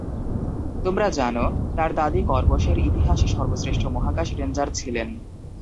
তোমরা জানো, তার দাদী কর্পসের ইতিহাসে সর্বশ্রেষ্ঠ মহাকাশ রেঞ্জার ছিলেন?